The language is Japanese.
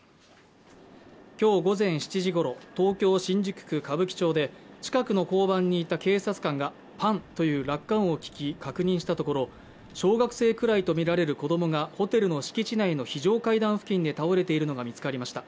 今日午前７時ごろ、東京・新宿区歌舞伎町で、近くの交番にいた警察官がパンという落下音を聞き確認したところ、小学生くらいとみられる子供がホテルの敷地内の非常階段付近で倒れているのが見つかりました。